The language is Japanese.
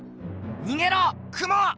にげろクモ！